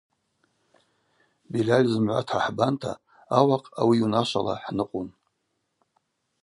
Бильаль зымгӏва дхӏахӏбанта – ауахъ ауи йунашвала хӏныкъвун.